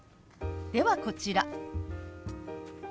ではこちら。